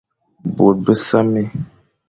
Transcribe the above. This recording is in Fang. Bô besamé,